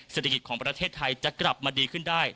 เศรษฐกิจของประเทศไทยจะกลับมาดีขึ้นได้